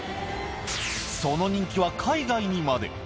その人気は海外にまで。